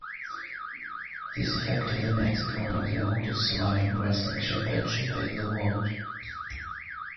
This effectively makes it one of the oldest surviving wrestling championship in the world.